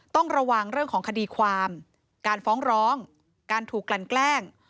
ต้องระวังเรื่องของคดีความการฟ้องร้องการถูกกลั่นแกล้ง